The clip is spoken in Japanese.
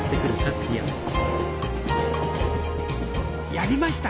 やりました！